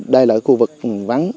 đây là khu vực vắng